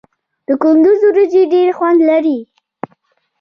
د کندز وریجې ډیر خوند لري.